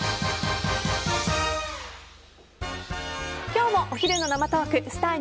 今日もお昼の生トークスター☆